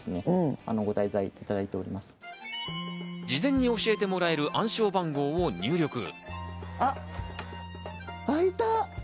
事前に教えてもらえる暗証番号を入力。